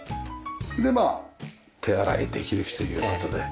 でまあ手洗いできるしという事で。